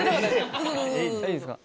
いいですか。